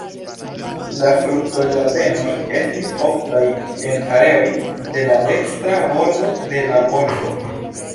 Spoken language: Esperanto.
La fruktoĝardenoj estis oftaj en areoj de la dekstra bordo de la Volgo.